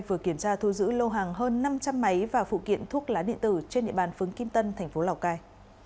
vừa kiểm tra thu giữ lô hàng hơn năm trăm linh máy và phụ kiện thuốc lá điện tử trên địa bàn phướng kim tân thành phố lào cai